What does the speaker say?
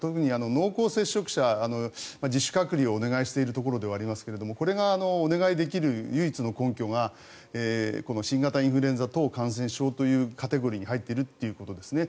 濃厚接触者、自主隔離をお願いしているところではありますがこれがお願いできる唯一の根拠がこの新型インフルエンザ等感染症というカテゴリーに入っているということですね。